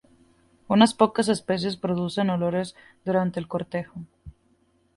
Unas pocas especies producen olores durante el cortejo.